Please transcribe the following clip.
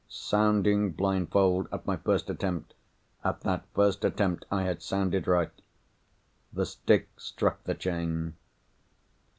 Sounding blindfold, at my first attempt—at that first attempt I had sounded right! The stick struck the chain.